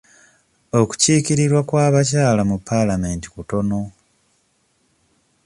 Okukiikirirwa kw'abakyala mu paalamenti kutono.